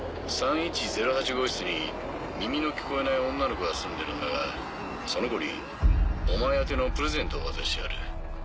３１０８号室に耳の聞こえない女の子が住んでるんだがその子にお前宛てのプレゼントを渡してある。